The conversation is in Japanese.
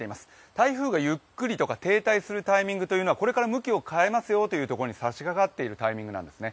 台風がゆっくりとか停滞するタイミングというのはこれから向きを変えますよというところに差しかかっているタイミングなんですね。